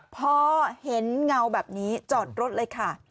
พอเห็นเงาแบบนี้จอดรถเลยค่ะ